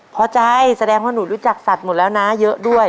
พอใจแสดงว่าหนูรู้จักสัตว์หมดแล้วนะเยอะด้วย